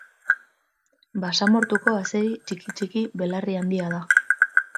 Basamortuko azeri txiki-txiki belarri-handia da.